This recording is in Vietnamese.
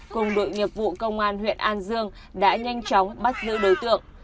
cùng đội nghiệp vụ công an huyện an dương đã nhanh chóng bắt giữ đối tượng